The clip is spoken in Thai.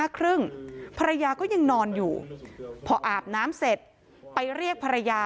ครึ่งภรรยาก็ยังนอนอยู่พออาบน้ำเสร็จไปเรียกภรรยา